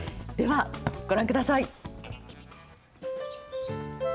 では、ご覧ください。